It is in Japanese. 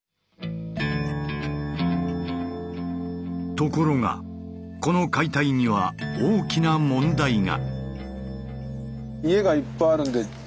ところがこの解体には大きな問題が。